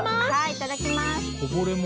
いただきます。